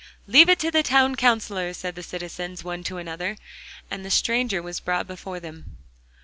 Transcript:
'Leave it to the Town Counsellor,' said the citizens one to another. And the stranger was brought before them.